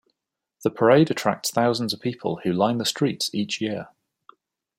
The parade attracts thousands of people who line the streets each year.